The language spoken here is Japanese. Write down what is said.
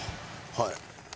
はい。